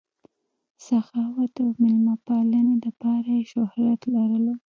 سخاوت او مېلمه پالنې دپاره ئې شهرت لرلو